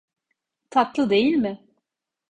Tatlı değil mi?